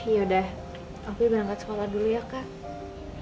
yaudah opi berangkat sekolah dulu ya kak